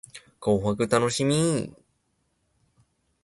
紅白楽しみ